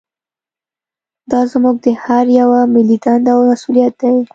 دا زموږ د هر یوه ملي دنده او مسوولیت دی